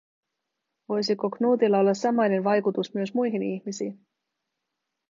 Voisiko Knutilla olla samainen vaikutus myös muihin ihmisiin?